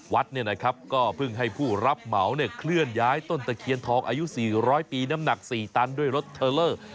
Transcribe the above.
วัดก็เพิ่งให้ผู้รับเหมาเคลื่อนย้ายต้นตะเคียนทองอายุ๔๐๐ปีน้ำหนัก๔ตันด้วยรถเทอร์เลอร์